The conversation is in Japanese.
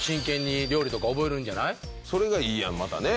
それがいいやんまたね。ね！